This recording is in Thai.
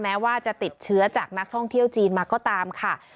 แม้ว่าจะติดเชื้อจากนักท่องเที่ยวจีนมาก็ตามค่ะ